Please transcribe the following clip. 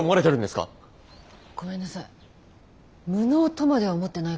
ごめんなさい